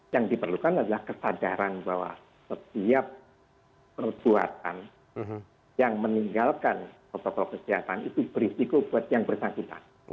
yang diperlukan adalah kesadaran bahwa setiap perbuatan yang meninggalkan protokol kesehatan itu berisiko buat yang bersangkutan